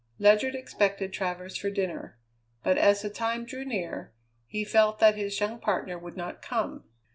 Ledyard expected Travers for dinner, but, as the time drew near, he felt that his young partner would not come.